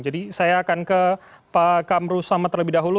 jadi saya akan ke pak kamarus samad terlebih dahulu